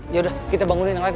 ya udah kita bangunin yang lain